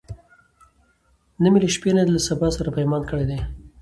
نه می له شپې نه له سبا سره پیمان کړی دی